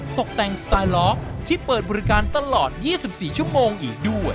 ตกแต่งสไตล์ลอฟที่เปิดบริการตลอด๒๔ชั่วโมงอีกด้วย